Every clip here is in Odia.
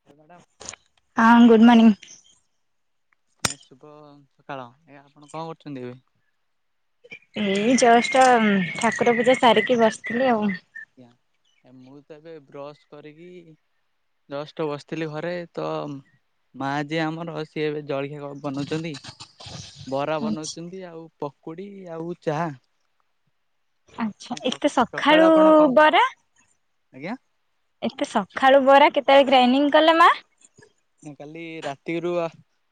Hello madam. ହଁ ଗୁଡ୍ ମର୍ନଂ। ଆଜ୍ଞା ଶୁଭ ସକାଳ, ଆଜ୍ଞା ଆପଣ କଣ କରୁଛନ୍ତି ଏବେ? ଏଇ ଜଷ୍ଟ ଠାକୁର ପୂଜା ସାରିକି ବସିଥିଲି ଆଉ। ଆଜ୍ଞା ଏ ମୁଁ ତ ଏବେ ବ୍ରସ୍ କରିକି ଜଷ୍ଟ ବସିଥିଲି ଘରେ ତ ମା ଜିଏ ଆମର ସିଏ ଏବେ ଜଳଖିଆ କଣ ବନାଉଛନ୍ତି। ବରା ଆଚ୍ଛା। ବନଉଛନ୍ତି ଆଉ ପକୁଡି ଆଉ ଚାହା। ଆଚ୍ଛା ଏତେ ସକାଳେ ସଖାଳୁ ଆପଣ କଣ ବରା? ଆଜ୍ଞା? ଏତେ ସକାଳୁ ବରା କେତେବେଳେ ଗ୍ରାଇଣ୍ଡିଙ୍ଗ କଲେ ମା? ମୁଁ କାଲି ରାତିରୁ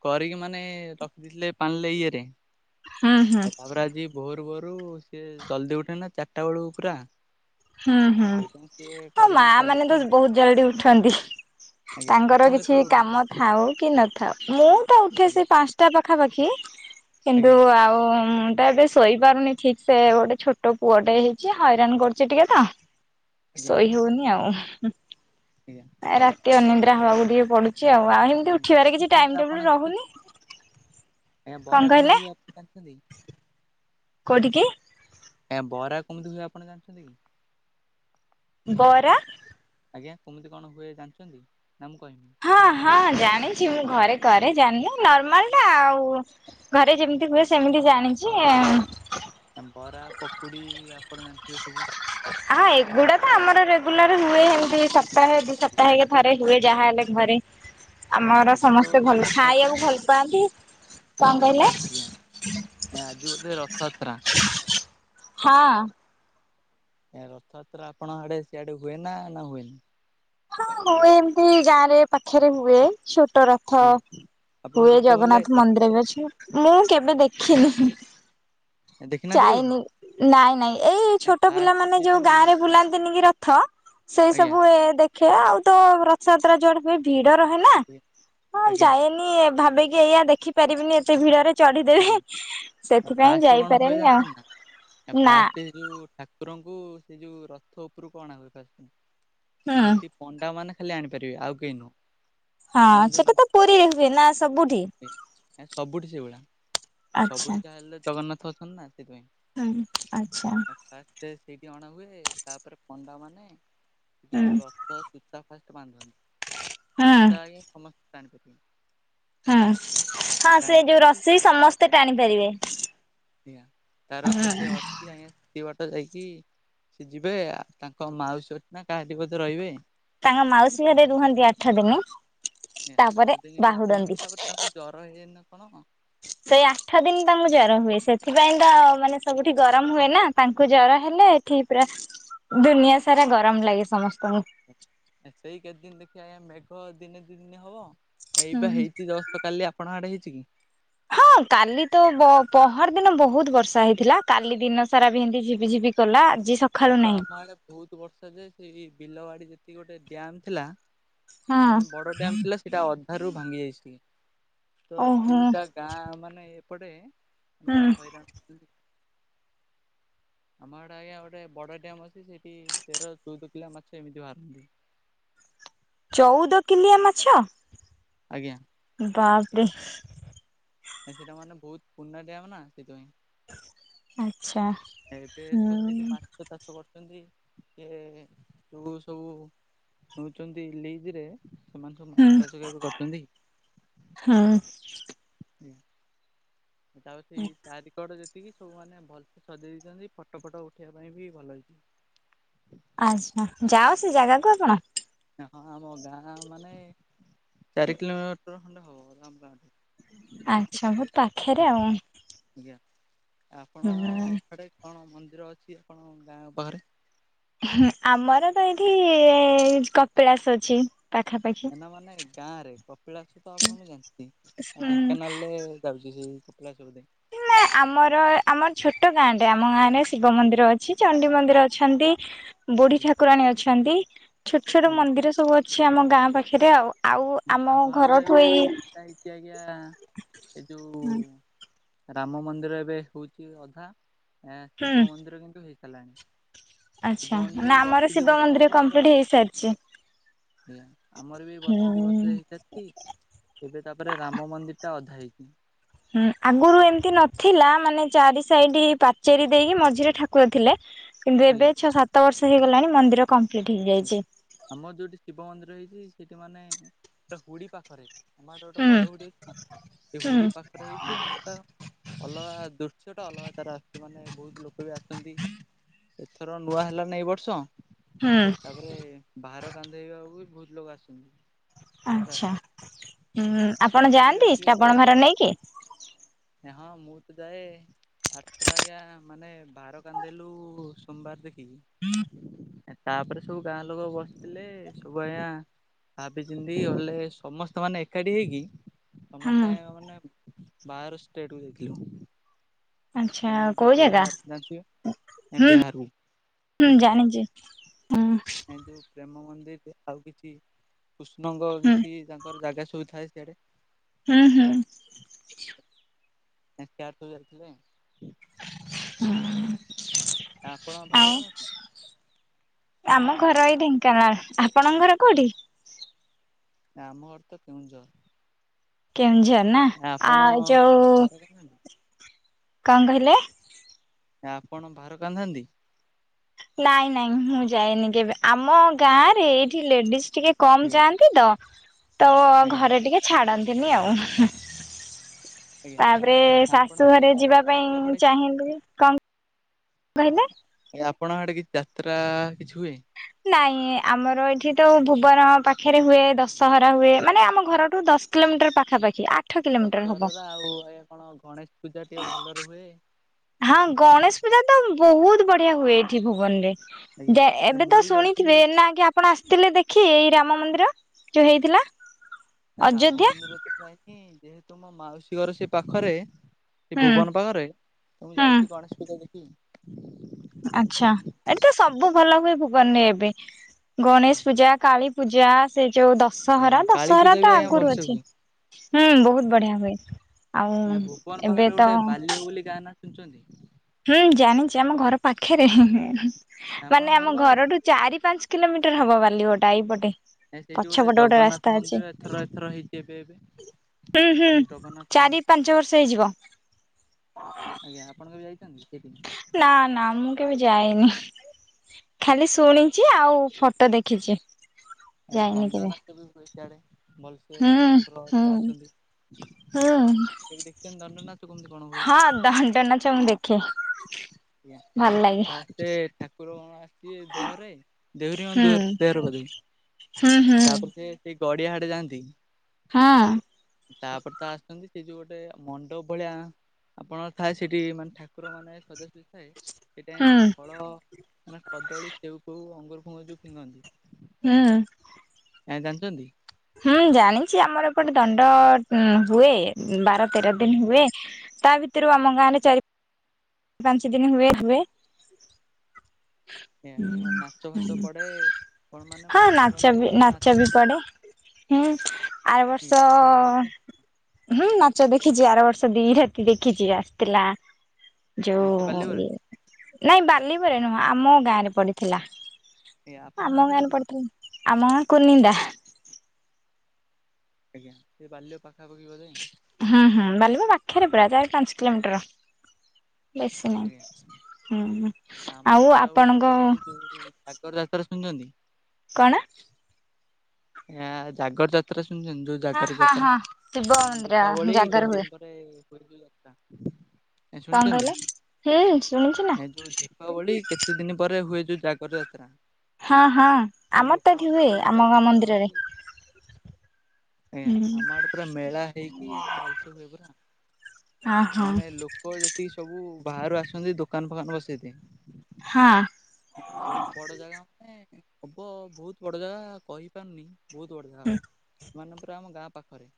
କରିକି ମାନେ ରଖିଦେଇଥିଲେ ପାଣିିରେ ଇଏରେ। ହୁଁ ହୁଁ। ତାପରେ ଆଜି ଭୋର ଭୋରୁ ସିଏ ଜଲ୍ଦି ଉଠେ ନା ଚାରିଟା ବେଳକୁ ପୁରା ହୁଁ ହୁଁ ସେଇଥିପାଇଁ ସିଏ ତ କରିକି ମା ମାନେ ତ କରିଦେଇଛି ବହୁତ ଜଲଦି ଉଠନ୍ତି। ଆଜ୍ଞା ତାଙ୍କର ଆପଣ କିଛି କେତେବେଳେ ଉଠ କାମ ଥାଉ କି ନଥାଉ ମୁଁ ତ ଉଠେ ସେ ଆଜ୍ଞା ପାଞ୍ଚଟା ପାଖାପାଖି। କିନ୍ତୁ ଆଜ୍ଞା ଆଉ ତା ମୁଁ ଏବେଶ ଶୋଇପାରୁନି ଠିକ ସେ ଗୋଟେ ଛୋଟ ପୁଅ ଟେ ହେଇଛି ହଇରାଣ କରୁଛି ଟିକେ ତ ଆଜ୍ଞା ଶୋଇ ହଉନି ଆଉ ଆଜ୍ଞା। ରାତି ଅନିଦ୍ରା ହବାକୁ ଟିକେ ପଡୁଛି ଆଉ ଆଉ ଏ ଏମିତି ବରା ଉଠିବାରେ କିଛି କେମିତି ହୁଏ ଟାଇମ ଟେବୁଲ ରହୁନି। ଆ କଣ ବରା କହିଲେ କେମିତି ହୁଏ ଆପଣଜାଣିଛନ୍ତି କି କୋଉଠିକି? ଆଜ୍ଞା ବରା କେମିତି ହୁଏ ଆପଣ ଜାଣିଛନ୍ତି କି? ବରା। ଆଜ୍ଞା କେମିତି କଣ ହୁଏ ଜାଣିଛନ୍ତି ନା ମୁଁ କହିବି। ହଁ ହଁ ଜାଣିଛି ମୁଁ ଘରେ କରେ ଜାଣିନି ନର୍ମାଲ ଟା ଆଉ। ଘରେ ଯେମିତି ହୁଏ ସେମିତି ଜାଣିଚି। ବରା ପକୁଡି ଆପଣ ଜାଣିଥିବେ ସବୁ। ହଁ ଏଗୁଡା ତ ଆମର ରେଗୁଲାର ହୁଏ ଏମିତି ସପ୍ତାହେ ଦି ଆଜ୍ଞା। ସପ୍ତାହ କେ ଘରେ ହୁଏ ଯାହା ହେଲେ ଘରେ ଆମର ଆଜି ତ ସମସ୍ତେ ବୋଧେ ଭଲ ରଥଯାତ୍ରା ଖାଇବାକୁ ଭଲ ପାଆନ୍ତି। କଣ କହିଲେ? ଆଜ୍ଞା ଆଜି ବୋଧେ ରଥଯାତ୍ରା। ହଁ। ଏ ରଥଯାତ୍ରା ଆପଣ ଆଡେ ସିଆଡେ ହୁଏ ନା ନା ହୁଏନି। ହଁ ହୁଏ ଏମିତି ଗାଁ ରେ ପାଖେରେ ହୁଏ ଛୋଟରା। ଥ ଆଜ୍ଞା? ଆପଣଙ୍କୁ ହୁଏ ଦେଖିତେ ଭଲ ଲାଗେ ଜଗନ୍ନାଥ ମନ୍ଦିର ରଥଯାତ୍ରା ବି ଅଛି ମୁଁ କେବେ ଦେଖିନି। ଦେଖିନାହାନ୍ତି କେବେ? ଚାଇନି ନାଇଁ ନାଇଁ ଏଇ ଛୋଟ ଫାଷ୍ଟ ପିଲାମାନୋନେ ସେ ଯୋଉ ଗାଁ ରେ ବୁଲାନ୍ତିନି କି ର ଥ ସେଏ ଆଜ୍ଞା ସବୁ ଏ ଦେଖେ ଆଉ ତ ରଥଯାତ୍ରା ଯୁଆଡେ ଏ ଭିଡ ରହେ ନା ହଁ ଆଜ୍ଞା ଯାଏନି ଭାବିକି ଏଇଆା ଦେଖିପାରିବିନି ଏତେ ଭିଡରେ। ଚଢିଦେବେ ଆଜ୍ଞା ସେଥିପାଇଁ ଫାଷ୍ଟ କଣ ହୁଏ ଯାଇପାରେନି ଜାଣିଛନ୍ତି ନା? ଆଉ ଫାଷ୍ଟ ନାଁ। ସେ ଯୋଉ ଠାକୁରଙ୍କୁ ସେ ଯୋଉ ରଥ ଉପୁରୁକୁ ଅନହୁଏ ଫାଷ୍ଟେ ଆଁ ହୁଁ ଯଦି ପଣ୍ଡା ମାନ ଖାଲି ଆଣିପାରିବେ ଆଉ କେହି ନୁହଁ। ହଁ ମାନେ ଯୋଉ ସେଟାତ ପୁରୀରେ ହୁଏ ନା ସବୁଠି? ନାଇଁ ସବୁଠି ସେଇଭଳିଆ ଆଚ୍ଛା। ସବୁଠି ଯାହା ହେଲେ ଜଗନ୍ନାଥ ଅଛନ୍ତି ନା ସେଥିପାଇଁ। ହୁଁ ଆଛା। ଫାଷ୍ଟେ ସେଇଠି ଅଣା ହୁଏ ତାପରେ ପଣ୍ଡା ମାନେ ହୁଁ ଯୋଉ ହୁଁ। ରଥ ଚୂତା ଫା ବାନ୍ଧନ୍ତି ହୁଁ ଚୁତା ଆଜ୍ଞା ସମସ୍ତେ ଟାଣିପାରିବେ। ହୁଁ ହଁ ସେ ଟାଣି ଯୋଉ ପାରିକି ରଷେଇ ସମସ୍ତେ ଟାଣି ପାରିବେ। ଆଜ୍ଞା ତାର ହୁଁ କେତେ ଅଛି ଆଜ୍ଞା କିଛି ବାଟ ଯାଇକି ସେ ଯିବେ ତାଙ୍କ ମାଉସୀ ଘରକୁ ନାଁ କାହା ଘଟି ବୋଧେ ରହିବେ। ତାଙ୍କ ମାଉସୀ ଘରେ ରୁହନ୍ତି ଆଠ ଦିନ ଆଠ ତାପରେ ଦିନ ରୁହନ୍ତି ବାହୁଡନ୍ତି। ତାପରେ ତାଙ୍କୁ ଜର ହେଇଯାଏ ନା କଣ? ସେଇ ଆଠ ଦିନ ତାଙ୍କୁ ଜର ହୁଏ ସେଥିପାଇଁ ତ ମାନେ ସବୁଠି ଗରମ ହୁଏ ନା ତାଙ୍କୁ ଜର ହେଲେ। ଠି ପୁରା ଦୁନିଆ ସାରା ଗରମ ଲାଗେ ସମସ୍ତଙ୍କୁ। ସେଇ କେତେ ଦିନ ଦେଖିବା ଆଜ୍ଞା ମେଘ ଦିନେ ଦି ଦିନେ ହବ। ଏଇ ବା ହୁଁ। ହେଇଛିି ଜଷ୍ଟ କାଲି ଆପଣଙ୍କ ଆଡେ ହେଇଛି କି? ହଁ କାଲି ତ ବ ପହର ଦିନ ବହୁତ ବର୍ଷା ହେଇଥିଲା କାଲି ଦିନ ସାରା ବି ହେନ୍ତି ଝିବି ଝିିବି କଲା ଆଜି ସେ କାଲି ତ ଆମ ଆଡେ ବହୁତ ବର୍ଷା ଯେ ସେଇ ବିଲବାଡି ଯେତିକି ଗୋଟେ ଡ୍ୟାମ ଥିଲା। ହଁ ମାନେ ବଡ ଡ୍ୟାମ ଥିଲା ସେଇଟା ଅଧା ରୁ ଭାଙ୍ଗି ଯାଇଚି ଟିକେ ତ ଓହୋ ଦିଟା ଗାଁ ମାନେ ଏପଟେେ ପୁରା ହୁଁ ହଇରାଣ। ଆମଆଡେ ଆଜ୍ଞା ଅ ଗୋଟେ ବଡ ଡ୍ୟାମ୍ ଅଛି ସେଇଠି ତେର ଚଉଦ କିଲିଆ ମାଛ ଏମିତି ବାହାରନ୍ତି। ଚଉଦ କିଲିଆ ମାଛ। ଆଜ୍ଞା। ବାପରେ। ଆ ସେଟା ମାନେ ବହୁତ ପୁରୁଣା ଡ୍ୟାମ୍ ନା ସେଥିପାଇଁ। ଆଚ୍ଛା। ଏବେ ତ ହୁଁ। ସେଠି ପାଞ୍ଚ ଚାଷ କରୁଚନ୍ତି କିଏ ଯୋଉ ସବୁ ଲୁଚନ୍ତି ଲିଜି ରେ ସେମାନେ ସବୁ ମାଛ ଚାଷ କେବେ କରୁଚନ୍ତି। ହଁ। ସେଟା ହେଉଛି ଚାରି କଡ ଯେତିକି ସବୁ ମାନ ଭଲସେ ସଜେଇ ଦେଇଚନ୍ତି ଫଟୋ ଫଟୋ ଉଠେଇବା ପାଇଁ ବି ଭଲ ହେଇଚି। ଆଛା ଯାଅ ସେ ଜାଗାକୁ ଆପଣ? ହଁ ଆମ ଗାଁ ମାନେ ଚାରି କିଲୋମିଟର ଖଣ୍ଡେ ହବ ଆମ ଗାଁଠୁ। ଆଚ୍ଛା ବୋହୁତ ପାଖେରେ ଆଉ। ଆଜ୍ଞା ଆପଣ ହୁଁ ଆଡ଼େ କଣ ମନ୍ଦିର ଅଛି ଆପଣ ଗାଁ ପାଖେରେ। ଆମର ତ ଏଇଠି କପିଳାସ ଅଛି। ପାଖାପାଖି ଏନା ମାନେ ଗାଁ ରେ କପିଳାସ ତ ଆପଣଙ୍କୁ ଜାଣିନ୍ତି ଢେଙ୍କାନାଳ ରେ ଦାଉଛି ସେ କପିଲାସବୋଧେ। ନା ଆମର ଆମର ଛୋଟ ଗାଁଟରେ ଆମ ଗାଁରେ ଶିବ ମନ୍ଦିର ଆଜ୍ଞା ଅଛି ଚଡି ମନ୍ଦିର ଅଛନ୍ତି ବୁଢୀ ଆଜ୍ଞା। ଠାକୁରାଣୀ ଅଛନ୍ତି। ଛୋଟ ଛୋଟ ଆଜ୍ଞା ମନ୍ଦିର ସବୁ ଅଛି ଆମ ଗାଁ ପାଖରେ ଆଉ। ଆମ ଆମର ତ ଘରଠୁ ଏବେ ଏଇ ବସ। ହେଇଛି ଆଜ୍ଞା ଏ ଯୋଉ ରାମ ମନ୍ଦିର ଏବେ ହଉଛି ଅଧା ଏ ହୁଁ ଶିବ ମନ୍ଦିର କିନ୍ତୁ ହେଇସାରିଲାଣି। ଆଚ୍ଛା ଶିବ ମନ୍ଦିର ନା ଏଇ ଆମର ବର୍ଷ ଦି ଶିବ ବର୍ଷ ମନ୍ଦିର ହବ ପୁରା କମ୍ପ୍ଲିଟ ହେଇସାରିଛି। ଆଜ୍ଞା ଆମର ବି ବର୍ଷ ହୁଁ ଦିବର୍ଷ ହେଇଥାି ଏବେ ତାପରେ ରାମ ମନ୍ଦିର ଟା ଅଧା ହେଇଛି। ହୁଁ ଆଗରୁ ଏମିତି ନଥିଲା ମାନେ ଚାରି ସାଇଡ ପାଚେରୀ ଦେଇକି ମଝିରେ ଠାକୁର ଥିଲେ କିନ୍ତୁ ଆଜ୍ଞା ଏବେ ଛଅ ସାତ ବର୍ଷ ହେଇଗଲାଣି ମନ୍ଦିର କମ୍ପ୍ଲିଟ୍ ହେଇଯାଇଛି। ଆମର ଯୋଉଠି ଶିବ ମନ୍ଦିର ହେଇଛି ସେଇଠି ମାନେ ଗୋଟ ଗୋଡ଼ି ପାଖରେ ଆମଟ ଗୋଟେ ହୁଁ ବଡ ହୁଡି ଅଛି ସେ ହୁଁ ହୁଡି ପାଖରେ ହେଇଛି ମାନେ ତ ଅଲଗା ଦୃଶ୍ୟ ଟା ଅଲଗା ତାର ଆସୁଛି ମାନେ ବହୁତ ଲୋକ ବି ଆସ ଏଥର ନୂଆ ହେଲା ନ ଏ ବର୍ଷ ହଁ। ତାପରେ ଭାର କାନ୍ଧେଇଇବାକୁ ବି ବହୁତ ଲୋକ ଆସଛନ୍ତି। ଆଛା ହଁ ଆପଣ ଏଥର ବି ଯାଆନ୍ତି ଆସିବେ ଶ୍ରାବଣ ଭାର ନେଇକି? ହଁ ମୁଁ ତ ଯାଏ ଆଠଥର ଆଜ୍ଞା ମାନେ ଭାର କାନ୍ଧେଇଲୁ ସୋମବାର ଦେଖିକି ତାପରେ ସବୁ ଗାଁ ଲୋକ ବସିଥିଲେ ସବୁ ଆଜ୍ଞା ଭାବିଚିନ୍ତି ହେଲେ ସମସ୍ତେ ମାନେ ଏକାଠି ହେଇକି ହୁଁ ସମସ୍ତେ ମାନେ ବାହାର ଷ୍ଟେଟ କୁ ଯାଇଥିଲୁ। ଆଛା ଯେମିତି କୋଉ ଜାଗା ବିହାର ଜାଣିଥିବେ ହୁଁ ବିହାରକୁ ହୁଁ ଜାଣିଛି ହୁଁ କିନ୍ତୁ ପ୍ରେମ ମନ୍ଦିର ଆଉ କିଛି କୃଷ୍ଣଙ୍କ ହୁଁ କିଛି ତାଙ୍କର ଜାଗା ସବୁ ଥାଏ ସଆଡେ ହୁଁ ହୁଁ। ସୁ [unintelligible] ଯାଇଥିଲେେ ହୁଁ। ଆପଣ [unintelligible] ଆମ ଘର ଏଇ ଢେଙ୍କାନାଳ ଆପଣଙ୍କ ଘର କୋଉଠି? ନା ଆମ ଘର ତ କେଉୁଝର। କେଉଁଝର ନା ଆପଣ ଆଉ ଯୋଉ ଭାର କାନ୍ଧନ୍ତି କଣ କହିଲେ? ଆପଣ ଭାର କାନ୍ଧାନ୍ତି? ନାଇଁ ନାଇଁ ମୁଁ ଯାଏନି କେବେ ଆମ ଗାଁ ରେ ଏଇଠି ଲେଡିଜ ଟିକେ କମ ଆଜ୍ଞା ଯାଆନ୍ତି ତ ତ ଆଜ୍ଞା ଘରେ ଟିକେ ଛାଡନ୍ତିନି ଆଉ। ଆଜ୍ଞା ତାପରେ ଶାଶୁ ଆପଣଙ୍କ କି ଘରେ ଯିବା ଯାତ୍ରା ମାତ୍ରା ପାଇଁ ପଡେ କିଛି? ଚାହିଁବ କଣ କହିଲେ ଆ ଆପଣଙ୍କ ଆଡ଼େ କିଛି ଯାତ୍ରା କିଛି ହୁଏ। ନାଇଁ ଆମର ଏଇଠି ତ ଭୁବନ ପାଖରେ ହୁଏ ଦଶହରା ହୁଏ ମାନେ ଆମ ଘରଠୁ ଦଶ କିଲୋମିଟର ଆଜ୍ଞା ପାଖାପାଖି ଆଠ କିଲୋମିଟର ହବ। ଦଶହରା ଆଉ ଏ କଣ ଗଣେଶ ପୂଜା ଟିକେ ଭଲରେ ହୁଏ ହଁ ଗଣେଶ ପୂଜା ତ ବହୁତ ବଢିଆ ହୁଏ ଏଠି ଭୁବନ ଆଜ୍ଞା। ରେ। ଏ ଏବେ ମୁଁ ତ ବି ଯାଇଛି ଶୁଣିଥିବେ ନା ଆ ଆପଣ ଆସିଥିଲେ ଦେଖି ଏଇ ରାମ ମନ୍ଦିର ଯୋଉ ହେଇଥିଲା? ରାମ ଅଯୋଧ୍ୟା ମନ୍ଦିର ତ ଯାଇକି ଯେହେତୁ ମୋ ମାଉସୀ ଘର ସେ ପାଖରେ ସେ ହୁଁ ଭୁବନ ପାଖରେ, ମୁଁ ହୁଁ ଯାଇଛି ଗଣେଶ ପୂଜା ଦେଖି ଆଛା ଏଠି ତ ସବୁ ଭଲ ହୁଏ ଭୁବନରେ ଏବେ, ଗଣେଶ ଆଜ୍ଞା ପୂଜା, କାଳୀ ପୁ ପୂଜା ସେଇ ଯୋଉ ଆଜ୍ଞା, ଦଶହରା, ହଁ କାଳୀ ଦଶହରା ପୂଜା ବି ତ ଆଜ୍ଞା ଆଗରୁ ଭଲସେ ଅଛି। ହୁଏ। ହୁଁ ବହୁତ ବଢିଆ ହୁଏ, ଆଜ୍ଞା ଆଉ ଭୁବନ ଏବେ ପାଖରେ ତ ଗୋଟେ ବାଲିଓ ବୋଲି ଗାଁ ନା ଶୁଣିଛନ୍ତି? ହୁଁ ଜାଣିଛି ଆମ ଘର ପାଖରେ, ମାନେ ଆପଣଙ୍କ ଘର ଆମ ପାଖରେ? ଘରଠୁ ଚାରି ପାଞ୍ଚ କିଲୋମିଟର ହବ ବାଲିଗୋଟା ଏଇପଟେ। ନା ସେଇଠି ଗୋଟେ ପଛପଟେ ରାସ୍ତା ଜଗନ୍ନାଥ ଅଛି ମନ୍ଦିର, ଏଥର-ଏଥର ହେଇଛି ଏବେ-ଏବେ। ହୁଁ ହୁଁ ଚାରି ପାଞ୍ଚ ବର୍ଷ ହେଇଯିବ। ଆଜ୍ଞା ଆପଣ କେବେ ଯାଇଛନ୍ତି ସେଠି? ନା ନା ମୁଁ କେବେ ଯାଏନି। ଖାଲି ଶୁଣିଛି ଆଉ ଫଟୋ ଦେଖିଛି। ଏ ଯାଇନି ଦଣ୍ଡ କେବେ ନାଚ ବି ହୁଏ ସିଆଡେ [unintelligible] ହୁଁ। ଠାକୁର ହୁଁ ଅଛନ୍ତି। ହୁଁ କେବେ ଦେଖିଛନ୍ତି ଦଣ୍ଡ ନାଚ କେମିତି କଣ ହୁଏ? ହଁ ଦଣ୍ଡ ନାଚ ମୁଁ ଦେଖେ ଆଜ୍ଞା ଭଲ ଲାଗେ ଫାଷ୍ଟ ରେ ଠାକୁର କଣ ଆସିବେ ଦେହରେ ହୁଁ [unintelligible] [unintelligible] ହୁଁ ହୁଁ ତାପରେ ସେ ସେ ଗଡିଆ ଆଡେ ଯାଆନ୍ତି। ହଁ ତାପରେ ତା ଆସୁଛନ୍ତି ସେ ଯୋଉ ଗୋଟେ ମଣ୍ଡପ ଭଳିଆ ଆପଣ ଥାଏ ସେଠି, ମାନେ ଠାକୁର ମାନେ ସଜାସଜ ଥାଏ। ସେଟା ଯୋଉ ହୁଁ ଫଳ, ମାନେ କଦଳୀ, ସେଉ ଫେଉ ଅଙ୍ଗୁର ଫଙ୍ଗୁର ଯୋଉ ଫିଗନ୍ତି। ନା। ଆଁ ଜାଣିଛନ୍ତି? ହୁଁ ଜାଣିଛି ଆମର ଏପଟେ ଦଣ୍ଡ ହୁଏ। ବାର ତେର ଆଜ୍ଞା ଦିନ ହୁଏ, ତା ଭିତରୁ ଆମ ଗାଁରେ ଚାରି ପାଞ୍ଚ ଦିନ ହୁଏ ହୁଏ। ଆଜ୍ଞା ନାଚ ଫାଚ ପଡେ କଣ ମାନେ ହଁ ନାଚଚା ମନୋରଞ୍ଜନ ବି କରିଥାଏ ନାଚ ଫାଚ ବିି ବି ପଡେ। ହୁଁ ଆର ଆଜ୍ଞା ବର୍ଷ ଆପଣ କେବେ ଦେଖିଛନ୍ତି? ହୁଁ ନାଚ ଦେଖିଛି, ଆର ବର୍ଷ ଦି ରାତି ଦେଖିଛି ଆସିଥିଲା। ନାଇଁ ଯୋଉ ସେ ବାଲିିବରେ ନାଇଁ ବ [unintelligible] ନୁହଁ ଆମ ଗାଁ ରେ ପଡିଥିଲା। ଆଜ୍ଞା ଆପଣଙ୍କ ଆମ ଗାଁଟା ଗାଁ କୋଉଠି କି? ପଡିଥିଲା, ଆମ ଗାଁ କୁର୍ନିନ୍ଦା। ଆଜ୍ଞା ସେ ବାଲୁଗାଁ ପାଖାପାଖି ବୋଧେ। ହୁଁ ହୁଁ ବାଳୁଙ୍ଗା ପାଖରେ ପୁରା, ପ୍ରାୟ ପାଞ୍ଚ କିଲୋମିଟର। ବେଶୀ ଆଜ୍ଞା ନହିଁ, ହୁଁ ଆମ ଆଉ ଆପଣଙ୍କ କୋଉ ରାସ୍ତାରେ ଶୁଣିୁନାହାନ୍ତି? କଣ? ଏ ଜାଗର ଯାତ୍ରା ଶୁଣିଛନ୍ତି ଜୋ ହଁ ଜାଗରେ ହଁ ଯାତ୍ରା, ହଁ ଶିବ ମନ୍ଦିର ଦୀପାବଳି କେତେ ଜାଗର ହୁଏ ଦିନ ପରେ ହୁଏ ଜୋ ଯାତ୍ରା। ଏ କଣ ଶୁଣିଛନ୍ତି କହିଲେ? ହୁଁ ଶୁଣିଛୁ ନା ଏ ଯୋଉ ତି ଦୀପାବଳି କେତେ ଦିନ ପରେ ହୁଏ ଯୋଉ ଜାଗର ଯାତ୍ରା। ହଁ ହଁ ଯୋଉ ଆମର ତ ଏଠି ଲୋକମାନେ ହୁଏ ଯୋଉ ଆମ ଗାଁ ଜାଗର ମନ୍ଦିରରେ। ଜାଳନ୍ତି ଆଜ୍ଞା ହୁଁ ଆମ ଆଡେ ପୁରା ମେଳା ହେଇକି, ଆ ଭଲସେ ହୁଏ ପୁରା ଅ ହଁ ମାନେ ଲୋ ପ ଯେତିକି ସବୁ ବାହାରୁ ଆସନ୍ତି ଦୋକାନ ଫୋକାନ ବସେଇତେ ହଁ ହଁ ବହୁତ ବଡ ଜାଗା ମାନେ, ହବ ବହୁତ ବଡ ଜାଗା କହିପାରୁନି। ବହୁତ ବଢିଆ ହବ ମନେ ପୁରା ଆମ ଗାଁ ପାଖରେ।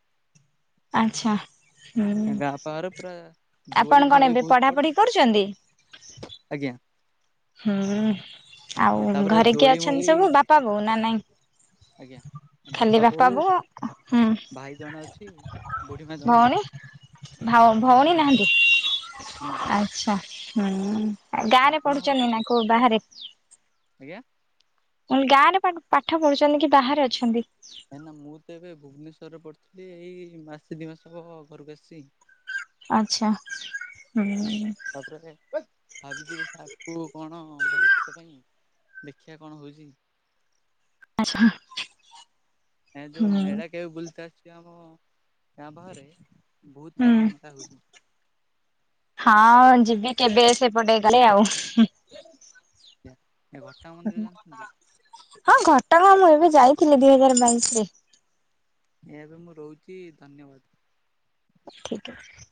ଆଚ୍ଛା ହୁଁ ଗାଁ ପାଖରେ ପୁରା ଦୋଳି ଆପଣ କଣ ମୋଳି ଏବେ ବହୁତ ପଢାପଢି ପଡେ କରୁଛନ୍ତି? ଆଜ୍ଞା ହୁଁ ଆଉ ତାପରେ ଘରେ କିଏ ଦୋଳି ଅଛନ୍ତି ମୋଳି ସବୁ, ବାପା ବୋଉ ନା ନାଇଁ? ଆଜ୍ଞା ବାପା ବୋଉ ହୁଁ ଭାଇ ଜଣେ ଅଛି। ବୁଢୀ ମା ଜଣେ ଭ ଭଉଣୀ ନାହାନ୍ତି? ନା। ଛ ହୁଁ ଗାଁ ରେ ଆପଣଙ୍କର ପଢୁଛନ୍ତି କିଏ ନା କିଏ କୋଉ ଅଛନ୍ତି ବାହାରେ? ଆଜ୍ଞା। ଗାଁ ରେ ପାଠ ପଢୁଛନ୍ତି କି ବାହାରେ ଅଛନ୍ତି? କାହିକି ନା ମୁଁ ତ ଏବେ ଭୁବନେଶ୍ୱରରେ ପଢଥିଲି ଏଇ ମାସେ ଦୁଇ ମାସହବ ଘରକୁ ଆସିଚି। ଆଚ୍ଛା। ହୁଁ। ତାପରେ ଭାବିଛି ଦେଖିବା ଆକୁ କଣ ଭବିଷ୍ୟତ ପାଇଁ ଦେଖିବା କଣ ହଉଛି। ଆଛା ଏ ଯୋଉ ମେଳା କେବେ ବୁଲିତେ ଆସିବ ଆମ ଗାଁ ପାଖରେ ବହୁତ ହୁଁ ବଢିଆ ସେ ହେଉଛି। ହଁ ଯିବି କେବେ ସେପଟେ କାଳେ ଆଉ। ଏ ଘଟଗାଁ ମନ୍ଦିର ଜାଣିଛନ୍ତି? ହଁ ଘଟଗାଁ ମୁଁ ଏବେ ଯାଇଥିଲି ଦିଇ ହଜାର ବାଇଶିରେ ଏବେ ମୁଁ ରହୁଛି ଧନ୍ୟବାଦ। ଠିକ୍ ଠାକ୍।